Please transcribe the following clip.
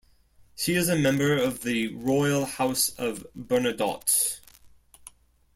She is a member of the Royal House of Bernadotte.